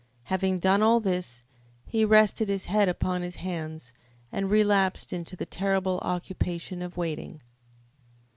Having done all this, he rested his head upon his hands and relapsed into the terrible occupation of waiting.